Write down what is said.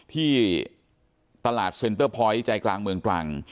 ที่ตลาดเซ็นเตอร์พอยต์ใจกลางเมืองตรัง